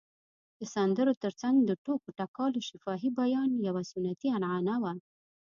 د سندرو تر څنګ د ټوکو ټکالو شفاهي بیان یوه سنتي عنعنه وه.